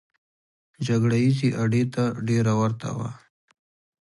جګړه ییزې اډې ته ډېره ورته وه.